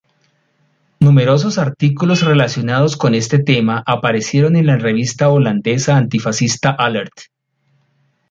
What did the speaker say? Numerosos artículos relacionados con este tema aparecieron en la revista holandesa antifascista "Alert!".